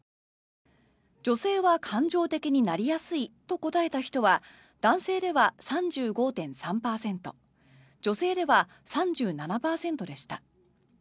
女性は感情的になりやすいと答えた人は男性では３５．３％女性では３７％でした。